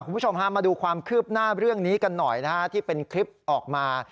คุณผู้ชมฮะมาดูความคืบหน้าเรื่องนี้กันหน่อยนะฮะที่เป็นคลิปออกมา